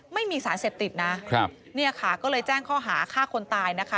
ไม่มีสารเสพติดนะครับเนี่ยค่ะก็เลยแจ้งข้อหาฆ่าคนตายนะคะ